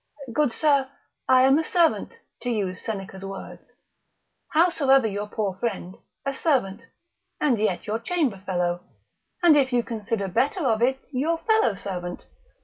Good Sir, I am a servant, (to use Seneca's words) howsoever your poor friend; a servant, and yet your chamber fellow, and if you consider better of it, your fellow servant.